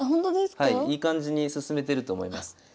いい感じに進めてると思います。